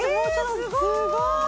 すごーい